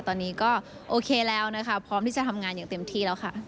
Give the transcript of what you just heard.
ตอนนี้ก็โอเคแล้วนะคะพร้อมที่จะทำงานอย่างเต็มที่แล้วค่ะ